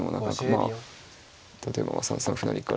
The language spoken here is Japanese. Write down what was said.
まあ例えば３三歩成から。